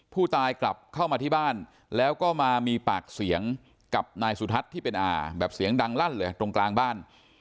ผู้ตายกลับเข้ามาที่บ้านแล้วก็มามีปากเสียงกับนายสุทัศน์ที่เป็นอา